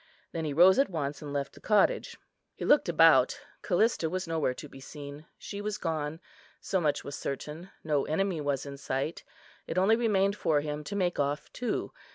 Then he rose at once and left the cottage. He looked about; Callista was nowhere to be seen. She was gone; so much was certain, no enemy was in sight; it only remained for him to make off too.